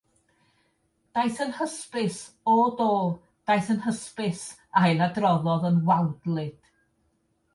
“‘Daeth yn hysbys' — o do!” “‘Daeth yn hysbys!'” ailadroddodd yn wawdlyd.